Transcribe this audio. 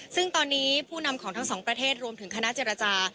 ซึ่งตอนนี้ผู้นำของทั้งสองประเทศรวมถึงคณะเจรจา